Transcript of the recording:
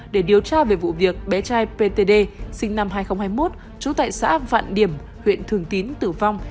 để điều tra về vụ việc bé trai ptd sinh năm hai nghìn hai mươi một trú tại xã vạn điểm huyện thường tín tử vong